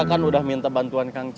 kita kan sudah minta bantuan kang cecep